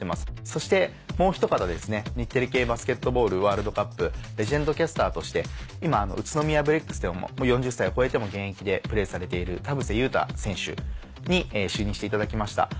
そしてもうひと方日テレ系バスケットボールワールドカップレジェンドキャスターとして今宇都宮ブレックスで４０歳を超えても現役でプレーされている田臥勇太選手に就任していただきました。